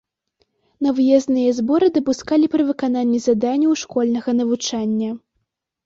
На выязныя зборы дапускалі пры выкананні заданняў школьнага навучання.